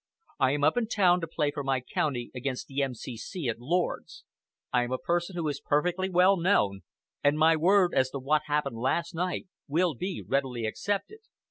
I am up in town to play for my County against the M.C.C. at Lord's; I am a person who is perfectly well known, and my word as to what happened last night will be readily accepted.